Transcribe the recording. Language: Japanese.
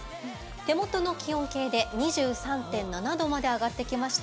手元の気温計で２３．７度まで上がってきました。